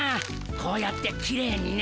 こうやってきれいにね。